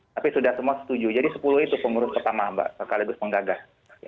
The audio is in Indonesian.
tapi sudah semua setuju jadi sepuluh itu pengurus pertama mbak sekaligus penggagas